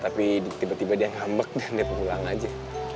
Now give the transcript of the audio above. tapi tiba tiba dia ngambek dan dia pulang aja